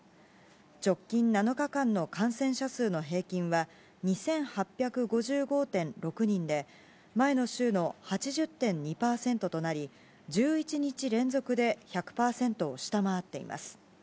直近７日間の感染者数の平均は２８５５．６人で、前の週の８０．２％となり、１１日連続で１００％を下回っています。